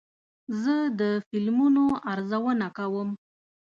زه د فلمونو ارزونه کوم.